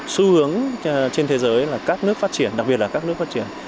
xu hướng trên thế giới là các nước phát triển đặc biệt là các nước phát triển